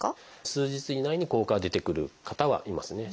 数日以内に効果が出てくる方はいますね。